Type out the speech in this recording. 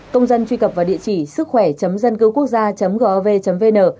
công dân truy cập vào địa chỉ sứckhoẻ dâncưquốcgia gov vn